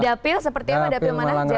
di dapil seperti mana dapil malang raya